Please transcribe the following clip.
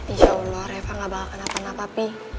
insya allah reva gak bakal kena kena papi